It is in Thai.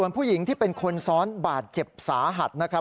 ผู้หญิงที่เป็นคนซ้อนบาดเจ็บสาหัสนะครับ